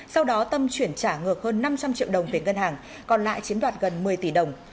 sau đó tâm chuyển trả ngược hơn năm trăm linh triệu đồng về ngân hàng còn lại chiếm đoạt gần một mươi tỷ đồng